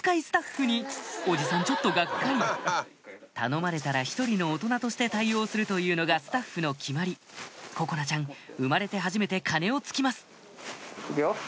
スタッフに伯父さんちょっとがっかり頼まれたら一人の大人として対応するというのがスタッフの決まり心菜ちゃん生まれてはじめて鐘を突きます行くよ。